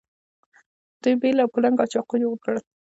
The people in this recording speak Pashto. دوی بیل او کلنګ او چاقو جوړ کړل.